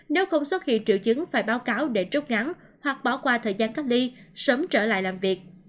nếu không xuất hiện triệu chứng phải báo cáo để trút ngắn hoặc bỏ qua thời gian cách ly sớm trở lại làm việc